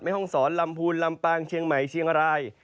ห้องศรลำพูนลำปางเชียงใหม่เชียงราย